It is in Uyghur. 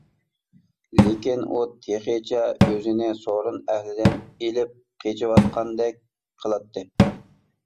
لېكىن، ئۇ تېخىچە ئۆزىنى سورۇن ئەھلىدىن ئېلىپ قېچىۋاتقاندەك قىلاتتى.